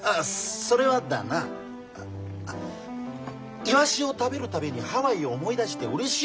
それはだな「イワシを食べる度にハワイを思い出してうれしい」